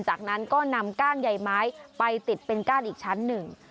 จากนั้นก็นำก้านใหญ่ไม้ไปติดเป็นก้านอีกชั้นหนึ่ง